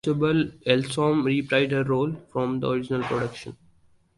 Isobel Elsom reprised her role from the original production.